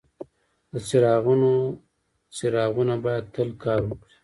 د چراغونو څراغونه باید تل کار وکړي.